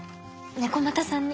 猫又さんに。